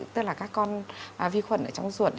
tức là các con vi khuẩn ở trong ruột